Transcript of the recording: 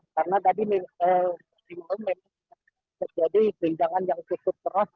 karena tadi di lumen terjadi gerindangan yang cukup keras